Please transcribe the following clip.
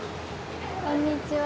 こんにちは！